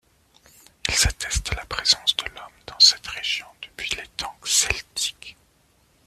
Ils attestent la présence de l'homme dans cette région depuis les temps celtiques.